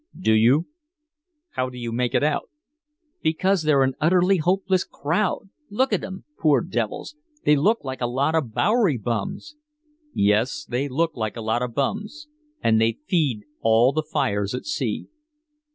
"Do you? How do you make it out?" "Because they're an utterly hopeless crowd! Look at 'em poor devils they look like a lot of Bowery bums!" "Yes they look like a lot of bums. And they feed all the fires at sea."